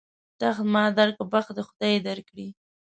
تخت ما در کړ، بخت دې خدای در کړي.